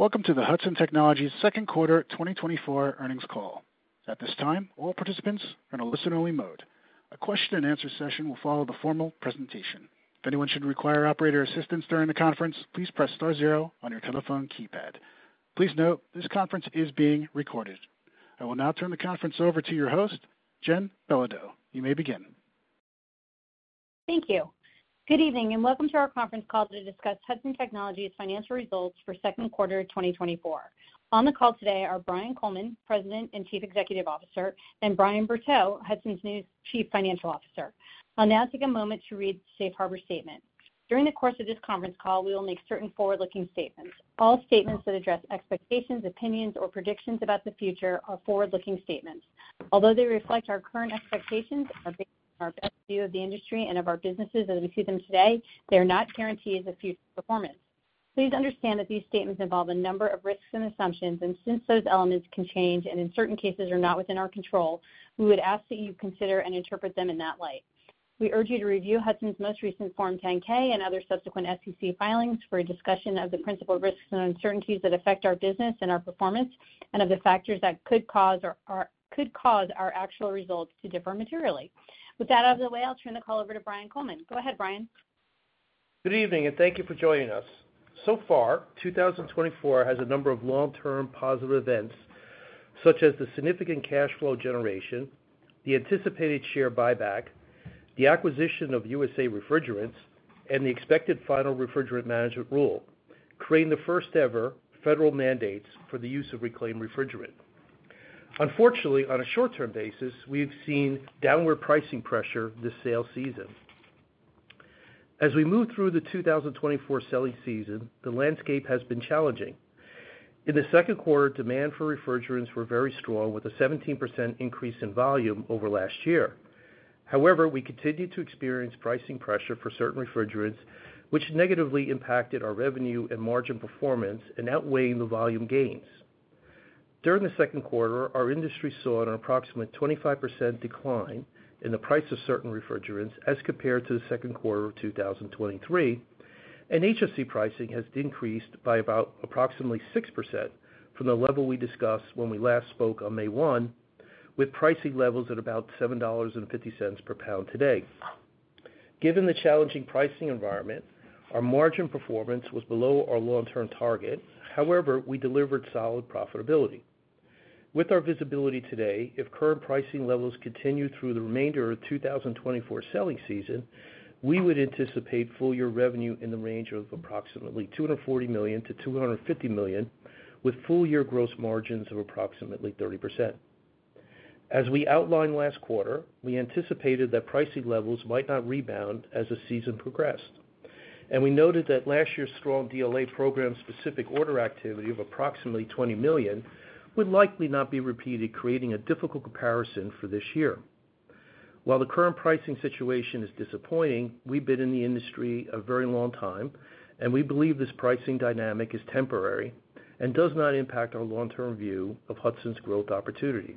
Welcome to the Hudson Technologies Second Quarter 2024 earnings call. At this time, all participants are in a listen-only mode. A question-and-answer session will follow the formal presentation. If anyone should require operator assistance during the conference, please press star zero on your telephone keypad. Please note, this conference is being recorded. I will now turn the conference over to your host, Jen Belodeau. You may begin. Thank you. Good evening, and welcome to our conference call to discuss Hudson Technologies' financial results for second quarter 2024. On the call today are Brian Coleman, President and Chief Executive Officer, and Brian Bertot, Hudson's new Chief Financial Officer. I'll now take a moment to read the Safe Harbor statement. During the course of this conference call, we will make certain forward-looking statements. All statements that address expectations, opinions, or predictions about the future are forward-looking statements. Although they reflect our current expectations, are based on our best view of the industry and of our businesses as we see them today, they are not guarantees of future performance. Please understand that these statements involve a number of risks and assumptions, and since those elements can change and in certain cases are not within our control, we would ask that you consider and interpret them in that light. We urge you to review Hudson's most recent Form 10-K and other subsequent SEC filings for a discussion of the principal risks and uncertainties that affect our business and our performance, and of the factors that could cause our actual results to differ materially. With that out of the way, I'll turn the call over to Brian Coleman. Go ahead, Brian. Good evening, and thank you for joining us. So far, 2024 has a number of long-term positive events, such as the significant cash flow generation, the anticipated share buyback, the acquisition of USA Refrigerants, and the expected final Refrigerant Management Rule, creating the first-ever federal mandates for the use of reclaimed refrigerant. Unfortunately, on a short-term basis, we've seen downward pricing pressure this sales season. As we move through the 2024 selling season, the landscape has been challenging. In the second quarter, demand for refrigerants were very strong, with a 17% increase in volume over last year. However, we continued to experience pricing pressure for certain refrigerants, which negatively impacted our revenue and margin performance and outweighing the volume gains. During the second quarter, our industry saw an approximate 25% decline in the price of certain refrigerants as compared to the second quarter of 2023, and HFC pricing has increased by about approximately 6% from the level we discussed when we last spoke on May 1, with pricing levels at about $7.50 per pound today. Given the challenging pricing environment, our margin performance was below our long-term target. However, we delivered solid profitability. With our visibility today, if current pricing levels continue through the remainder of the 2024 selling season, we would anticipate full-year revenue in the range of approximately $240 million-$250 million, with full-year gross margins of approximately 30%. As we outlined last quarter, we anticipated that pricing levels might not rebound as the season progressed, and we noted that last year's strong DLA program-specific order activity of approximately $20 million would likely not be repeated, creating a difficult comparison for this year. While the current pricing situation is disappointing, we've been in the industry a very long time, and we believe this pricing dynamic is temporary and does not impact our long-term view of Hudson's growth opportunity.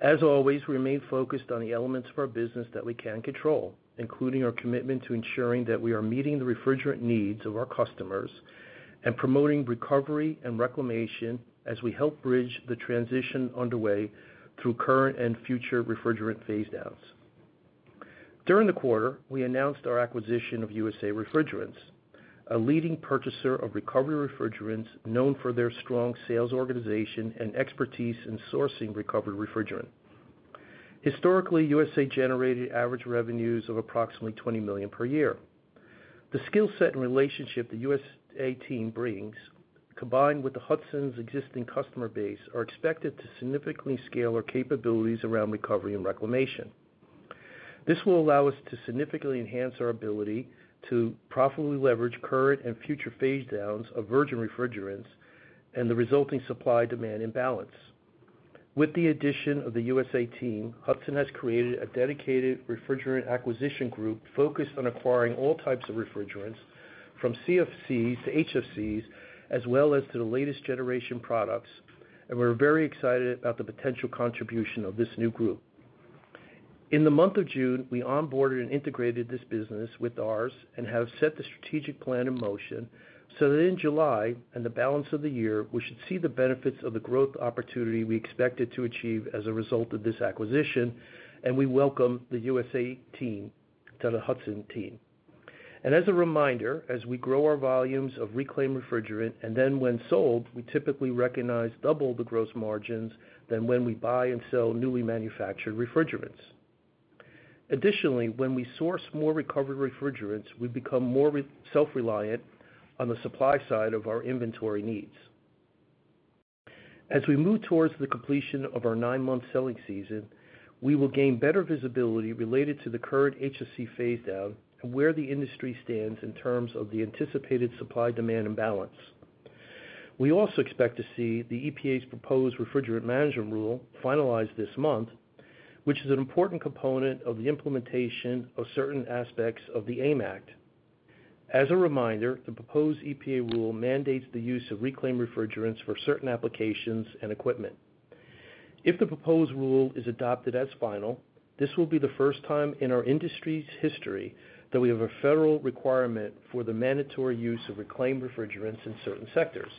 As always, we remain focused on the elements of our business that we can control, including our commitment to ensuring that we are meeting the refrigerant needs of our customers and promoting recovery and reclamation as we help bridge the transition underway through current and future refrigerant phase downs. During the quarter, we announced our acquisition of USA Refrigerants, a leading purchaser of recovery refrigerants known for their strong sales organization and expertise in sourcing recovery refrigerant. Historically, USA generated average revenues of approximately $20 million per year. The skill set and relationship the USA team brings, combined with the Hudson's existing customer base, are expected to significantly scale our capabilities around recovery and reclamation. This will allow us to significantly enhance our ability to profitably leverage current and future phase downs of virgin refrigerants and the resulting supply-demand imbalance. With the addition of the USA team, Hudson has created a dedicated refrigerant acquisition group focused on acquiring all types of refrigerants from CFCs to HFCs, as well as to the latest generation products, and we're very excited about the potential contribution of this new group. In the month of June, we onboarded and integrated this business with ours and have set the strategic plan in motion so that in July and the balance of the year, we should see the benefits of the growth opportunity we expected to achieve as a result of this acquisition, and we welcome the USA team to the Hudson team. As a reminder, as we grow our volumes of reclaimed refrigerant, and then when sold, we typically recognize double the gross margins than when we buy and sell newly manufactured refrigerants. Additionally, when we source more recovered refrigerants, we become more self-reliant on the supply side of our inventory needs. As we move towards the completion of our nine-month selling season, we will gain better visibility related to the current HFC phase down and where the industry stands in terms of the anticipated supply-demand imbalance. We also expect to see the EPA's proposed Refrigerant Management Rule finalized this month, which is an important component of the implementation of certain aspects of the AIM Act. As a reminder, the proposed EPA rule mandates the use of reclaimed refrigerants for certain applications and equipment. If the proposed rule is adopted as final, this will be the first time in our industry's history that we have a federal requirement for the mandatory use of reclaimed refrigerants in certain sectors.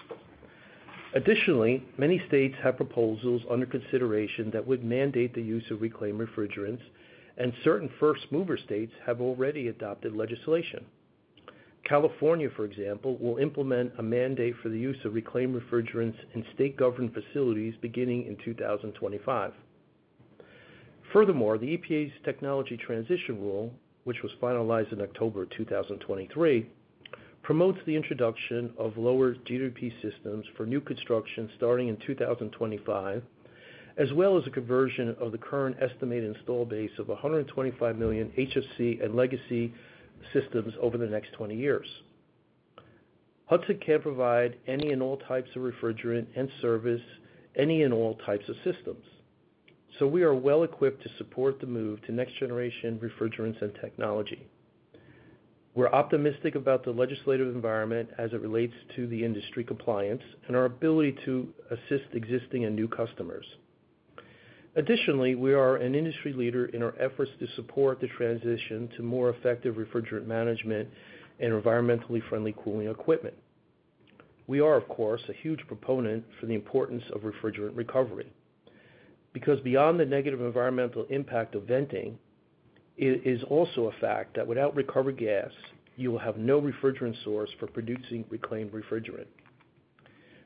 Additionally, many states have proposals under consideration that would mandate the use of reclaimed refrigerants, and certain first mover states have already adopted legislation. California, for example, will implement a mandate for the use of reclaimed refrigerants in state-governed facilities beginning in 2025. Furthermore, the EPA's Technology Transition Rule, which was finalized in October 2023, promotes the introduction of lower GWP systems for new construction starting in 2025, as well as a conversion of the current estimated install base of 125 million HFC and legacy systems over the next 20 years. Hudson can provide any and all types of refrigerant and service, any and all types of systems, so we are well equipped to support the move to next generation refrigerants and technology. We're optimistic about the legislative environment as it relates to the industry compliance and our ability to assist existing and new customers. Additionally, we are an industry leader in our efforts to support the transition to more effective refrigerant management and environmentally friendly cooling equipment. We are, of course, a huge proponent for the importance of refrigerant recovery, because beyond the negative environmental impact of venting, it is also a fact that without recovered gas, you will have no refrigerant source for producing reclaimed refrigerant.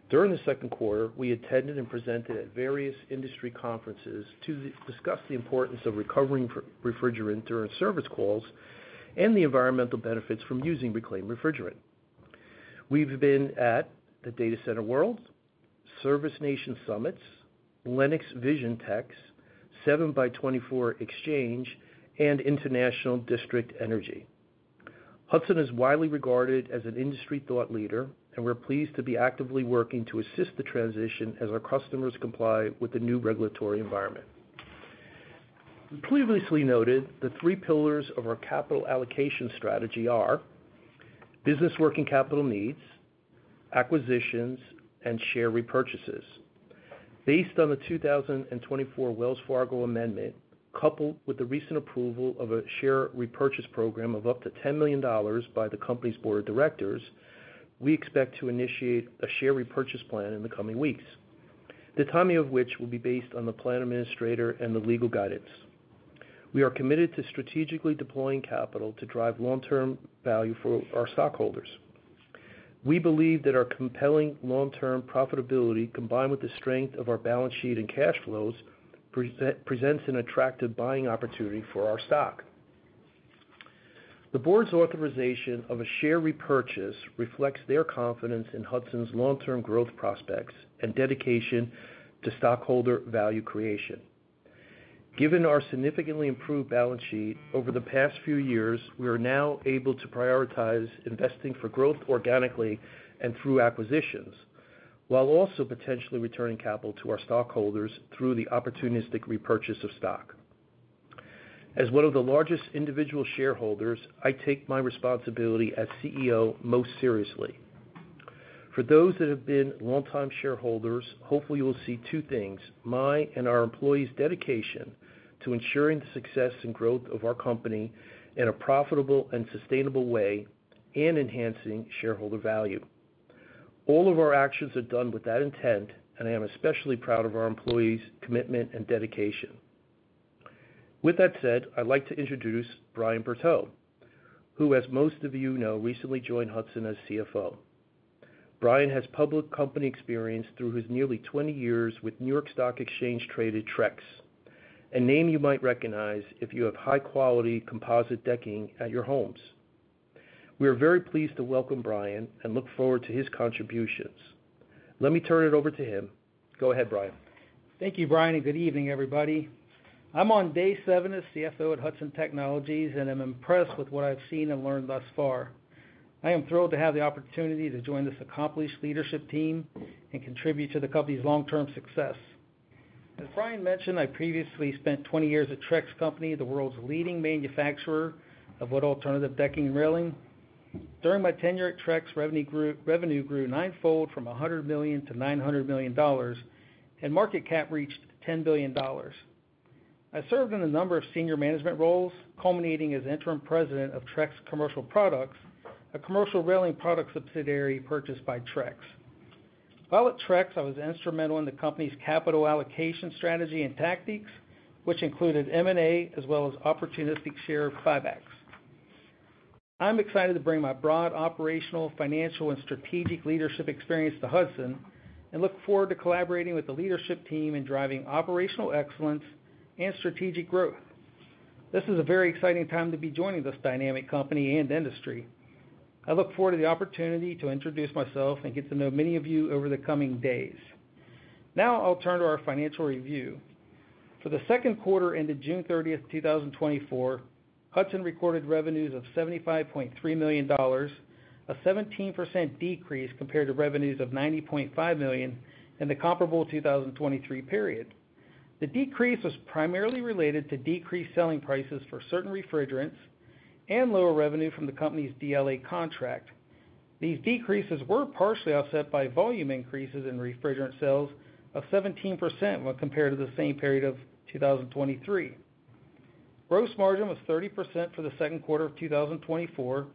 During the second quarter, we attended and presented at various industry conferences to discuss the importance of recovering refrigerant during service calls and the environmental benefits from using reclaimed refrigerant. We've been at the Data Center World, Service Nation Summits, Lennox VisionTechs, 7x24 Exchange, and International District Energy Association. Hudson is widely regarded as an industry thought leader, and we're pleased to be actively working to assist the transition as our customers comply with the new regulatory environment. We previously noted the three pillars of our capital allocation strategy are: business working capital needs, acquisitions, and share repurchases. Based on the 2024 Wells Fargo amendment, coupled with the recent approval of a share repurchase program of up to $10 million by the company's board of directors, we expect to initiate a share repurchase plan in the coming weeks, the timing of which will be based on the plan administrator and the legal guidance. We are committed to strategically deploying capital to drive long-term value for our stockholders. We believe that our compelling long-term profitability, combined with the strength of our balance sheet and cash flows, presents an attractive buying opportunity for our stock. The board's authorization of a share repurchase reflects their confidence in Hudson's long-term growth prospects and dedication to stockholder value creation. Given our significantly improved balance sheet over the past few years, we are now able to prioritize investing for growth organically and through acquisitions, while also potentially returning capital to our stockholders through the opportunistic repurchase of stock. As one of the largest individual shareholders, I take my responsibility as CEO most seriously. For those that have been longtime shareholders, hopefully, you will see two things: my and our employees' dedication to ensuring the success and growth of our company in a profitable and sustainable way, and enhancing shareholder value. All of our actions are done with that intent, and I am especially proud of our employees' commitment and dedication. With that said, I'd like to introduce Brian Bertot, who, as most of you know, recently joined Hudson as CFO. Brian has public company experience through his nearly 20 years with New York Stock Exchange-traded Trex, a name you might recognize if you have high-quality composite decking at your homes. We are very pleased to welcome Brian and look forward to his contributions. Let me turn it over to him. Go ahead, Brian. Thank you, Brian, and good evening, everybody. I'm on day seven as CFO at Hudson Technologies, and I'm impressed with what I've seen and learned thus far. I am thrilled to have the opportunity to join this accomplished leadership team and contribute to the company's long-term success. As Brian mentioned, I previously spent 20 years at Trex Company, the world's leading manufacturer of wood alternative decking and railing. During my tenure at Trex, revenue grew, revenue grew ninefold from $100 million to $900 million, and market cap reached $10 billion. I served in a number of senior management roles, culminating as interim president of Trex Commercial Products, a commercial railing product subsidiary purchased by Trex. While at Trex, I was instrumental in the company's capital allocation strategy and tactics, which included M&A, as well as opportunistic share buybacks. I'm excited to bring my broad operational, financial, and strategic leadership experience to Hudson and look forward to collaborating with the leadership team in driving operational excellence and strategic growth. This is a very exciting time to be joining this dynamic company and industry. I look forward to the opportunity to introduce myself and get to know many of you over the coming days. Now I'll turn to our financial review. For the second quarter into June 30th, 2024, Hudson recorded revenues of $75.3 million, a 17% decrease compared to revenues of $90.5 million in the comparable 2023 period. The decrease was primarily related to decreased selling prices for certain refrigerants and lower revenue from the company's DLA contract.... These decreases were partially offset by volume increases in refrigerant sales of 17% when compared to the same period of 2023. Gross margin was 30% for the second quarter of 2024,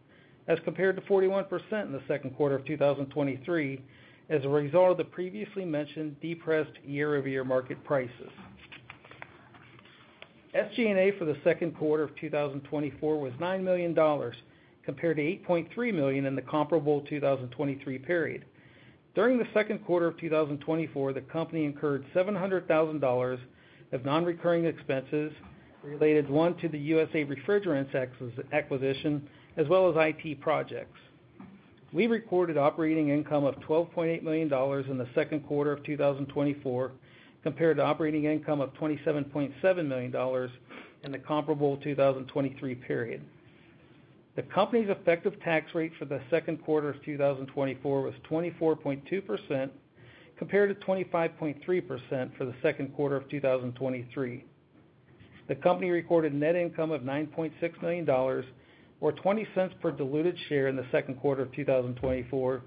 as compared to 41% in the second quarter of 2023, as a result of the previously mentioned depressed year-over-year market prices. SG&A for the second quarter of 2024 was $9 million, compared to $8.3 million in the comparable 2023 period. During the second quarter of 2024, the company incurred $700,000 of non-recurring expenses related to the USA Refrigerants acquisition, as well as IT projects. We recorded operating income of $12.8 million in the second quarter of 2024, compared to operating income of $27.7 million in the comparable 2023 period. The company's effective tax rate for the second quarter of 2024 was 24.2%, compared to 25.3% for the second quarter of 2023. The company recorded net income of $9.6 million, or $0.20 per diluted share in the second quarter of 2024,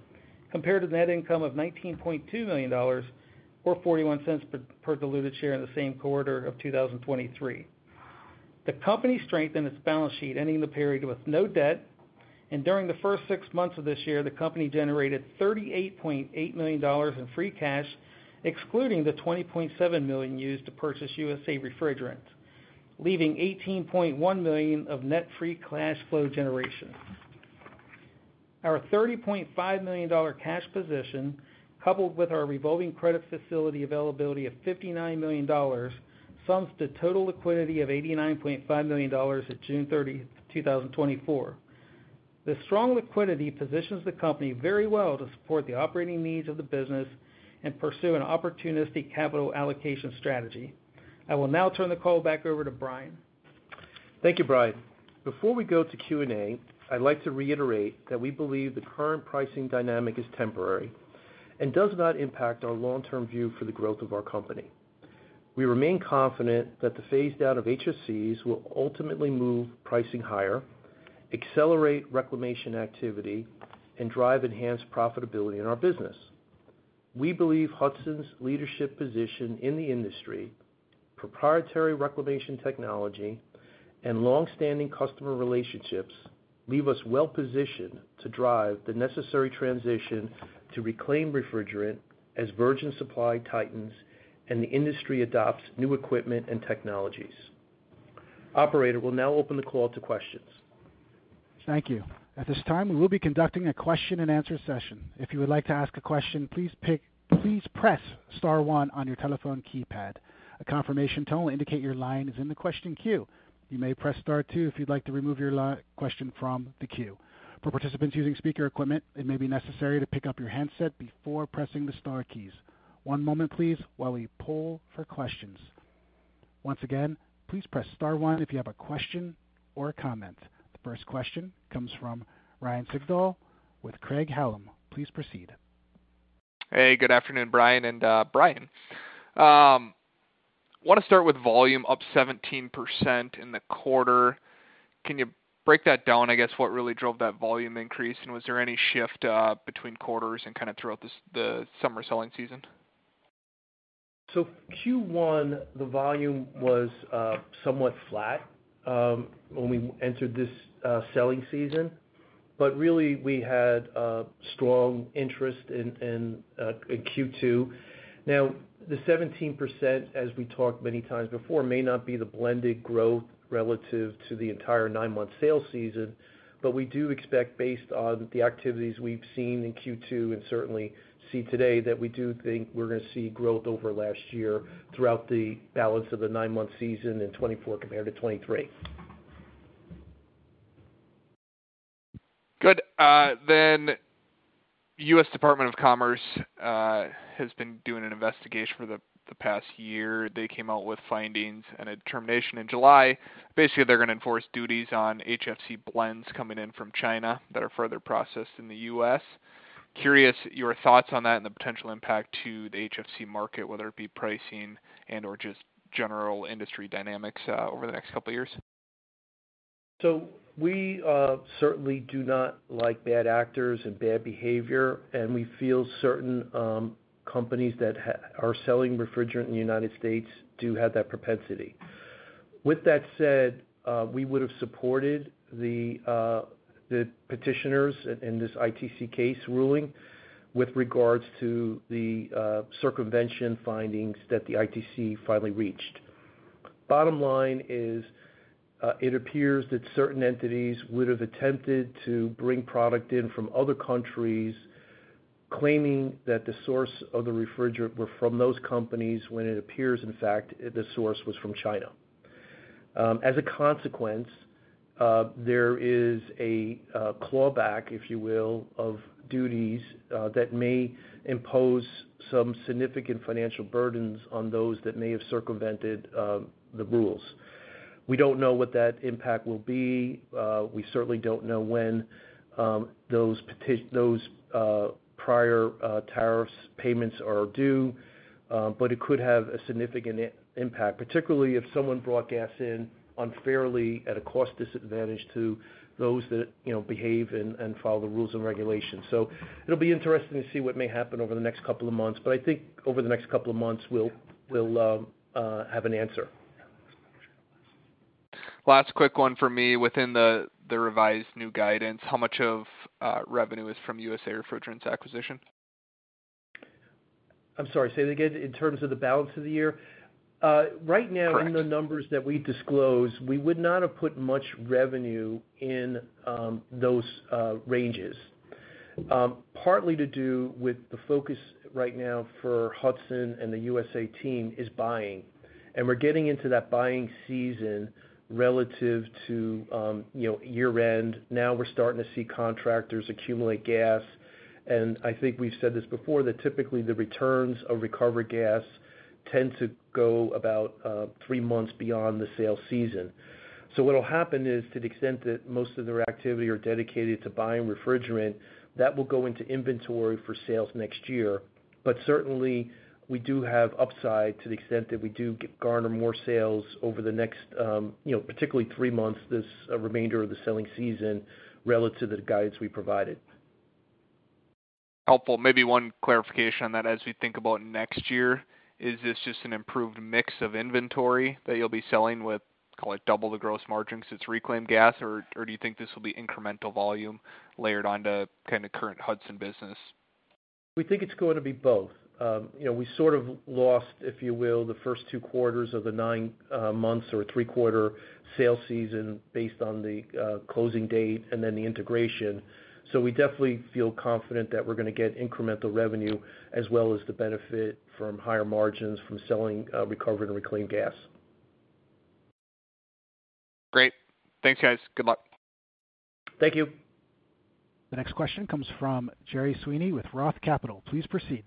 compared to net income of $19.2 million, or $0.41 per diluted share in the same quarter of 2023. The company strengthened its balance sheet, ending the period with no debt, and during the first six months of this year, the company generated $38.8 million in free cash, excluding the $20.7 million used to purchase USA Refrigerants, leaving $18.1 million of net free cash flow generation. Our $30.5 million cash position, coupled with our revolving credit facility availability of $59 million, sums to total liquidity of $89.5 million at June 30th, 2024. The strong liquidity positions the company very well to support the operating needs of the business and pursue an opportunistic capital allocation strategy. I will now turn the call back over to Brian. Thank you, Brian. Before we go to Q&A, I'd like to reiterate that we believe the current pricing dynamic is temporary and does not impact our long-term view for the growth of our company. We remain confident that the phase-out of HFCs will ultimately move pricing higher, accelerate reclamation activity, and drive enhanced profitability in our business. We believe Hudson's leadership position in the industry, proprietary reclamation technology, and long-standing customer relationships leave us well positioned to drive the necessary transition to reclaimed refrigerant as virgin supply tightens and the industry adopts new equipment and technologies. Operator, we'll now open the call to questions. Thank you. At this time, we will be conducting a question-and-answer session. If you would like to ask a question, please press star one on your telephone keypad. A confirmation tone will indicate your line is in the question queue. You may press star two if you'd like to remove your question from the queue. For participants using speaker equipment, it may be necessary to pick up your handset before pressing the star keys. One moment please, while we poll for questions. Once again, please press star one if you have a question or a comment. The first question comes from Ryan Sigdahl with Craig-Hallum. Please proceed. Hey, good afternoon, Brian and, Brian. Want to start with volume up 17% in the quarter. Can you break that down, I guess, what really drove that volume increase, and was there any shift, between quarters and kind of throughout this the summer selling season? So Q1, the volume was somewhat flat, when we entered this selling season, but really, we had a strong interest in Q2. Now, the 17%, as we talked many times before, may not be the blended growth relative to the entire nine-month sales season, but we do expect, based on the activities we've seen in Q2 and certainly see today, that we do think we're gonna see growth over last year throughout the balance of the nine-month season in 2024 compared to 2023. Good. Then, U.S. Department of Commerce has been doing an investigation for the, the past year. They came out with findings and a determination in July. Basically, they're gonna enforce duties on HFC blends coming in from China that are further processed in the U.S. Curious your thoughts on that and the potential impact to the HFC market, whether it be pricing and/or just general industry dynamics, over the next couple of years. So we certainly do not like bad actors and bad behavior, and we feel certain companies that are selling refrigerant in the United States do have that propensity. With that said, we would have supported the petitioners in this ITC case ruling with regards to the circumvention findings that the ITC finally reached. Bottom line is, it appears that certain entities would have attempted to bring product in from other countries, claiming that the source of the refrigerant were from those companies, when it appears, in fact, the source was from China. As a consequence, there is a clawback, if you will, of duties that may impose some significant financial burdens on those that may have circumvented the rules. We don't know what that impact will be. We certainly don't know when those prior tariff payments are due, but it could have a significant impact, particularly if someone brought gas in unfairly at a cost disadvantage to those that, you know, behave and follow the rules and regulations. So it'll be interesting to see what may happen over the next couple of months, but I think over the next couple of months, we'll have an answer. Last quick one for me. Within the revised new guidance, how much of revenue is from USA Refrigerants acquisition? I'm sorry, say that again. In terms of the balance of the year? Right now- Correct In the numbers that we disclose, we would not have put much revenue in those ranges. Partly to do with the focus right now for Hudson and the USA team is buying, and we're getting into that buying season relative to, you know, year end. Now we're starting to see contractors accumulate gas, and I think we've said this before, that typically the returns of recovered gas tend to go about three months beyond the sales season. So what'll happen is, to the extent that most of their activity are dedicated to buying refrigerant, that will go into inventory for sales next year. But certainly, we do have upside to the extent that we do garner more sales over the next, you know, particularly three months, this remainder of the selling season relative to the guidance we provided. Helpful. Maybe one clarification on that. As we think about next year, is this just an improved mix of inventory that you'll be selling with, call it, double the gross margins, it's reclaimed gas, or, or do you think this will be incremental volume layered onto kind of current Hudson business? We think it's going to be both. You know, we sort of lost, if you will, the first two quarters of the nine months or three quarter sales season based on the closing date and then the integration. So we definitely feel confident that we're gonna get incremental revenue as well as the benefit from higher margins from selling recovered and reclaimed gas. Great. Thanks, guys. Good luck. Thank you. The next question comes from Gerry Sweeney with Roth Capital. Please proceed.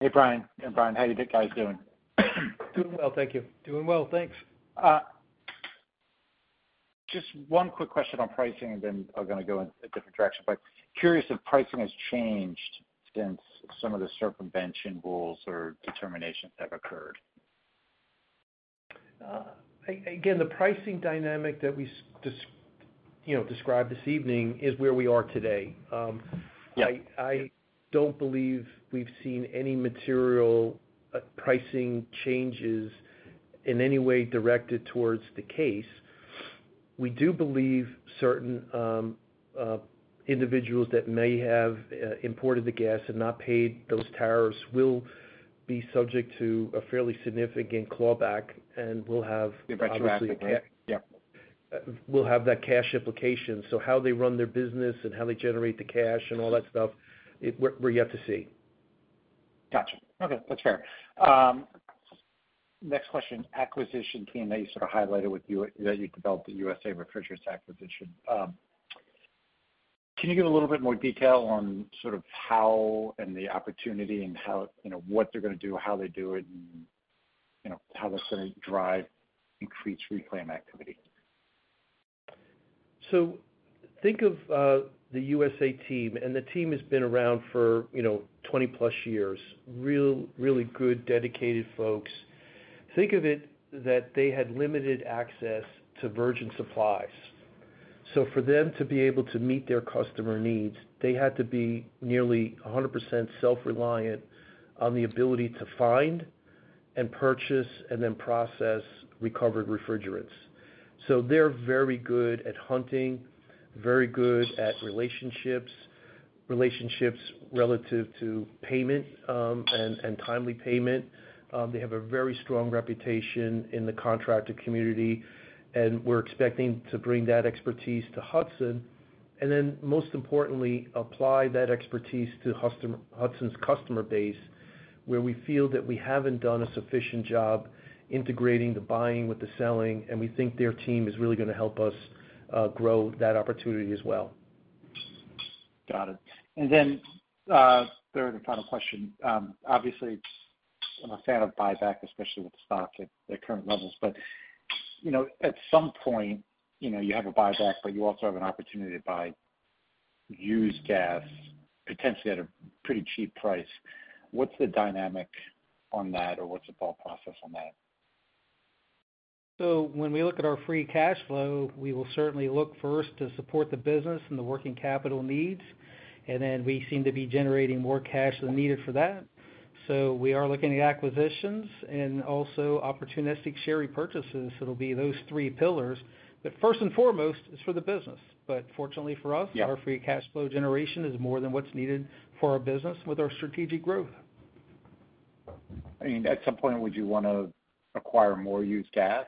Hey, Brian and Brian. How you guys doing? Doing well, thank you. Doing well, thanks. Just one quick question on pricing and then I'm gonna go in a different direction. Curious if pricing has changed since some of the circumvention rules or determinations have occurred. Again, the pricing dynamic that we described this evening is where we are today. Yeah. I don't believe we've seen any material pricing changes in any way directed towards the case. We do believe certain individuals that may have imported the gas and not paid those tariffs will be subject to a fairly significant clawback and will have obviously- Retroactively, yeah. Will have that cash implication. So how they run their business and how they generate the cash and all that stuff, we're yet to see. Gotcha. Okay, that's fair. Next question. Acquisition team, that you sort of highlighted with you, that you developed the USA Refrigerants acquisition. Can you give a little bit more detail on sort of how and the opportunity and how, you know, what they're gonna do, how they do it, and, you know, how that's gonna drive increased reclaim activity? So think of the USA team, and the team has been around for, you know, 20+ years. Really good, dedicated folks. Think of it that they had limited access to virgin supplies. So for them to be able to meet their customer needs, they had to be nearly 100% self-reliant on the ability to find and purchase and then process recovered refrigerants. So they're very good at hunting, very good at relationships, relationships relative to payment, and timely payment. They have a very strong reputation in the contractor community, and we're expecting to bring that expertise to Hudson, and then most importantly, apply that expertise to Hudson's customer base, where we feel that we haven't done a sufficient job integrating the buying with the selling, and we think their team is really gonna help us grow that opportunity as well. Got it. And then, third and final question. Obviously, I'm a fan of buyback, especially with the stock at the current levels, but, you know, at some point, you know, you have a buyback, but you also have an opportunity to buy used gas, potentially at a pretty cheap price. What's the dynamic on that or what's the thought process on that? So when we look at our free cash flow, we will certainly look first to support the business and the working capital needs, and then we seem to be generating more cash than needed for that. So we are looking at acquisitions and also opportunistic share repurchases. It'll be those three pillars. But first and foremost, it's for the business. But fortunately for us- Yeah Our free cash flow generation is more than what's needed for our business with our strategic growth. I mean, at some point, would you wanna acquire more used gas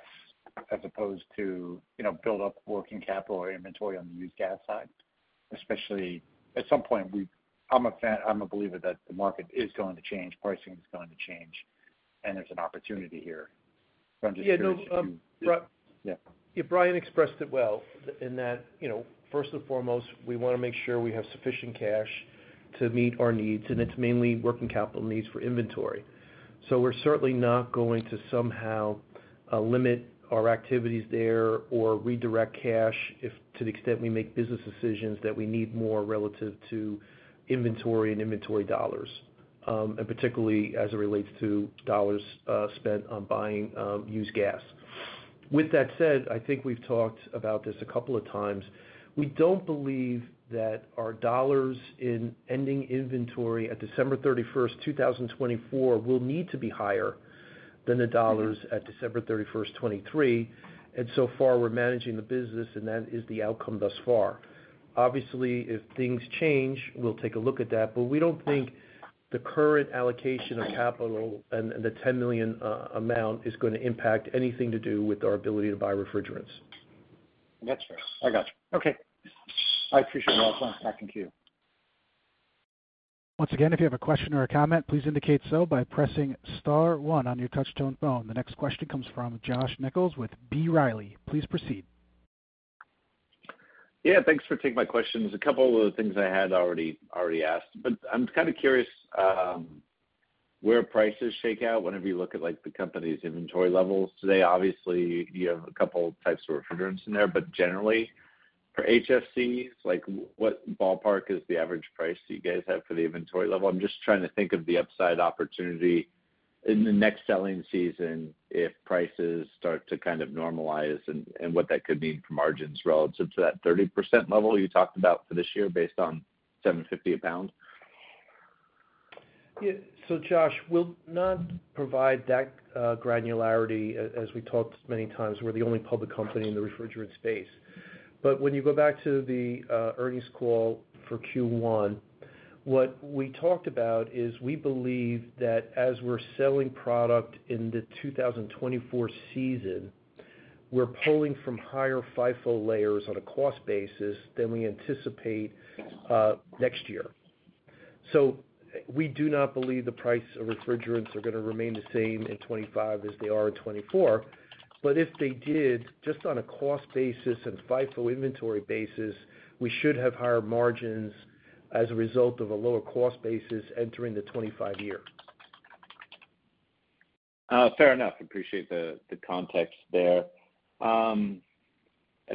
as opposed to, you know, build up working capital or inventory on the used gas side? Especially, at some point, I'm a fan, I'm a believer that the market is going to change, pricing is going to change, and there's an opportunity here. So I'm just curious- Yeah, no, Yeah. Yeah, Brian expressed it well in that, you know, first and foremost, we wanna make sure we have sufficient cash to meet our needs, and it's mainly working capital needs for inventory. So we're certainly not going to somehow limit our activities there or redirect cash if, to the extent we make business decisions that we need more relative to inventory and inventory dollars, and particularly as it relates to dollars spent on buying used gas. With that said, I think we've talked about this a couple of times. We don't believe that our dollars in ending inventory at December 31st, 2024, will need to be higher than the dollars at December 31st, 2023, and so far, we're managing the business, and that is the outcome thus far. Obviously, if things change, we'll take a look at that, but we don't think the current allocation of capital and the $10 million amount is gonna impact anything to do with our ability to buy refrigerants. That's fair. I got you. Okay. I appreciate that. Thank you. Once again, if you have a question or a comment, please indicate so by pressing star one on your touchtone phone. The next question comes from Josh Nichols with B. Riley. Please proceed. Yeah, thanks for taking my questions. A couple of the things I had already, already asked, but I'm kind of curious, where prices shake out whenever you look at, like, the company's inventory levels today. Obviously, you have a couple types of refrigerants in there, but generally, for HFCs, like, what ballpark is the average price you guys have for the inventory level? I'm just trying to think of the upside opportunity in the next selling season if prices start to kind of normalize and, and what that could mean for margins relative to that 30% level you talked about for this year based on $7.50 a pound. Yeah, so Josh, we'll not provide that granularity. As we talked many times, we're the only public company in the refrigerant space. But when you go back to the earnings call for Q1, what we talked about is we believe that as we're selling product in the 2024 season, we're pulling from higher FIFO layers on a cost basis than we anticipate next year. So we do not believe the price of refrigerants are gonna remain the same in 2025 as they are in 2024. But if they did, just on a cost basis and FIFO inventory basis, we should have higher margins as a result of a lower cost basis entering the 2025 year. Fair enough. Appreciate the context there. And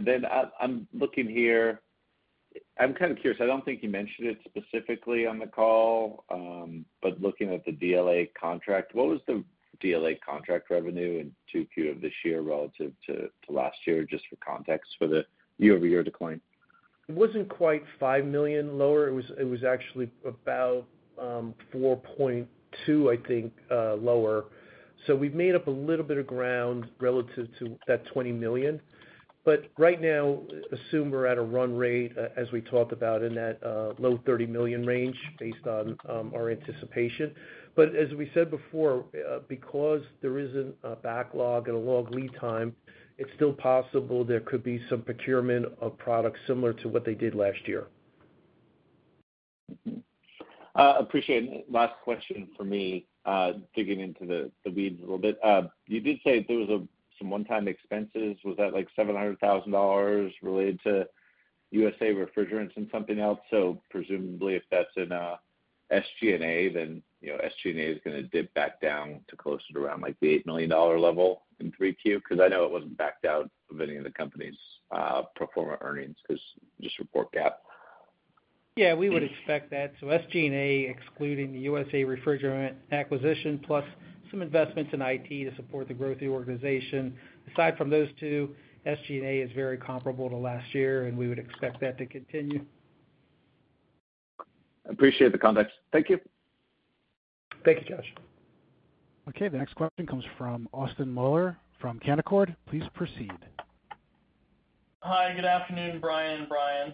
then I'm looking here. I'm kind of curious. I don't think you mentioned it specifically on the call, but looking at the DLA contract, what was the DLA contract revenue in 2Q of this year relative to last year, just for context for the year-over-year decline? It wasn't quite $5 million lower. It was, it was actually about 4.2, I think, lower. So we've made up a little bit of ground relative to that $20 million. But right now, assume we're at a run rate, as we talked about in that, low $30 million range, based on our anticipation. But as we said before, because there isn't a backlog and a long lead time, it's still possible there could be some procurement of products similar to what they did last year. Appreciate it. Last question for me, digging into the weeds a little bit. You did say there was some one-time expenses. Was that, like, $700,000 related to USA Refrigerants and something else? So presumably, if that's in SG&A, then, you know, SG&A is gonna dip back down to closer to around like the $8 million level in 3Q, 'cause I know it wasn't backed out of any of the company's pro forma earnings, 'cause just report GAAP. Yeah, we would expect that. So SG&A, excluding the USA Refrigerants acquisition, plus some investments in IT to support the growth of the organization. Aside from those two, SG&A is very comparable to last year, and we would expect that to continue. Appreciate the context. Thank you. Thank you, Josh. Okay, the next question comes from Austin Moeller from Canaccord. Please proceed. Hi, good afternoon, Brian and Brian.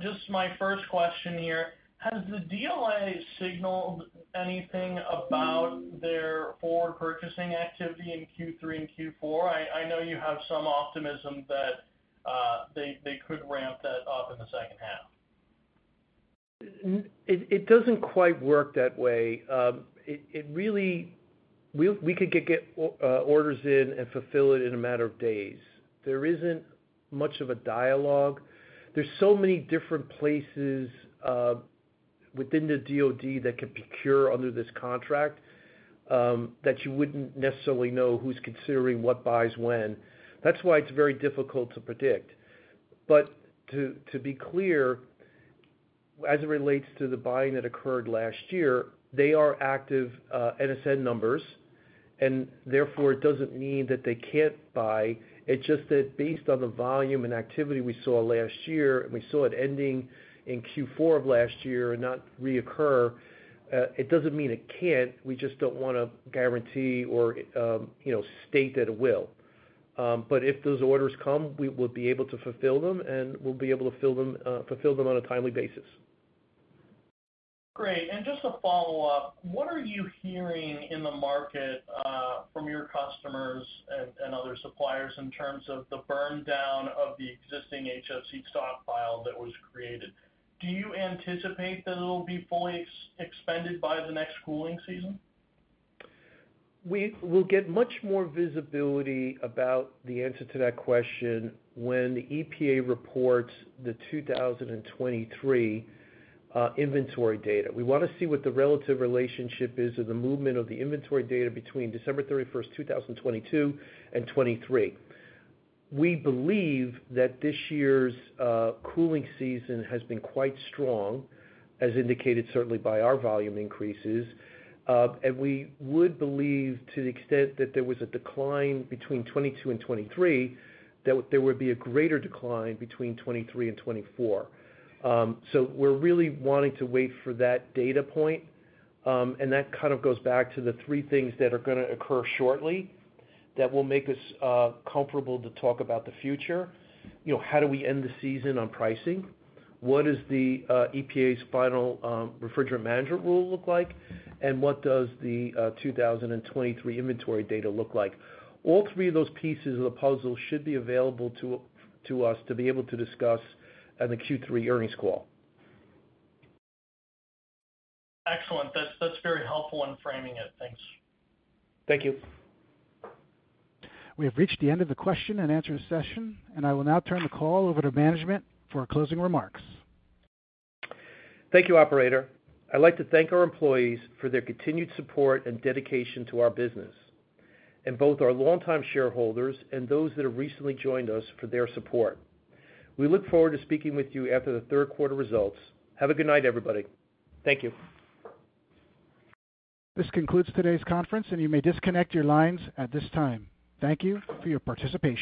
Just my first question here: Has the DLA signaled anything about their forward purchasing activity in Q3 and Q4? I know you have some optimism that they could ramp that up in the second half. It doesn't quite work that way. We could get orders in and fulfill it in a matter of days. There isn't much of a dialogue. There's so many different places within the DoD that could procure under this contract that you wouldn't necessarily know who's considering what buys when. That's why it's very difficult to predict. But to be clear, as it relates to the buying that occurred last year, they are active NSN numbers, and therefore, it doesn't mean that they can't buy. It's just that based on the volume and activity we saw last year, and we saw it ending in Q4 of last year and not reoccur, it doesn't mean it can't. We just don't wanna guarantee or you know, state that it will. But if those orders come, we will be able to fulfill them, and we'll be able to fill them, fulfill them on a timely basis. Great. And just a follow-up: What are you hearing in the market from your customers and other suppliers in terms of the burn down of the existing HFC stockpile that was created? Do you anticipate that it'll be fully expended by the next cooling season? We will get much more visibility about the answer to that question when the EPA reports the 2023 inventory data. We wanna see what the relative relationship is of the movement of the inventory data between December 31st, 2022, and 2023. We believe that this year's cooling season has been quite strong, as indicated certainly by our volume increases, and we would believe, to the extent that there was a decline between 2022 and 2023, that there would be a greater decline between 2023 and 2024. So we're really wanting to wait for that data point, and that kind of goes back to the three things that are gonna occur shortly that will make us comfortable to talk about the future. You know, how do we end the season on pricing? What is the EPA's final Refrigerant Management Rule look like? And what does the 2023 inventory data look like? All three of those pieces of the puzzle should be available to us to be able to discuss on the Q3 earnings call. Excellent. That's, that's very helpful in framing it. Thanks. Thank you. We have reached the end of the question and answer session, and I will now turn the call over to management for closing remarks. Thank you, operator. I'd like to thank our employees for their continued support and dedication to our business, and both our longtime shareholders and those that have recently joined us for their support. We look forward to speaking with you after the third quarter results. Have a good night, everybody. Thank you. This concludes today's conference, and you may disconnect your lines at this time. Thank you for your participation.